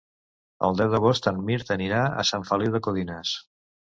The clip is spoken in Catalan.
El deu d'agost en Mirt anirà a Sant Feliu de Codines.